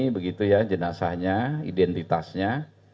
begitu ya jenazahnya identitasnya